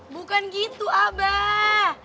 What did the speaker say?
bukan gitu abah